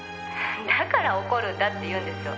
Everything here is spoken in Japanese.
「だから怒るんだって言うんですよ」